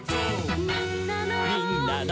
「みんなの」